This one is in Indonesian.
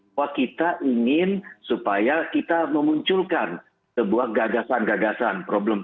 bahwa kita ingin supaya kita memunculkan sebuah gagasan gagasan